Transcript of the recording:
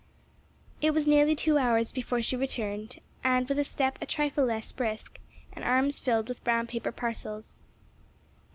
It was nearly two hours before she returned, with a step a trifle less brisk, and arms filled with brown paper parcels.